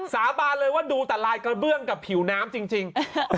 สาบานเลยว่าดูแต่ลายกระเบื้องกับผิวน้ำจริง